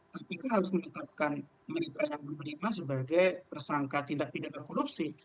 kpk harus menetapkan mereka yang diberi sebagai persangka tindak tindakan korupsi